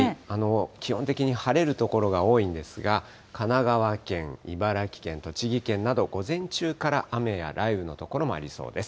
基本的に晴れる所が多いんですが、神奈川県、茨城県、栃木県など、午前中から雨や雷雨の所もありそうです。